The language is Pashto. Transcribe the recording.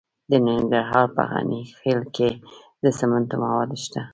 د ننګرهار په غني خیل کې د سمنټو مواد شته.